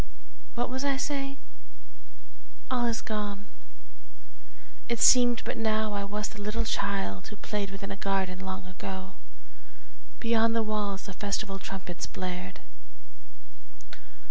What was I saying? All is gone again. It seemed but now I was the little child Who played within a garden long ago. Beyond the walls the festal trumpets blared.